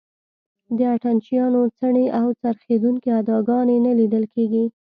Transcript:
د اتڼ چیانو څڼې او څرخېدونکې اداګانې نه لیدل کېږي.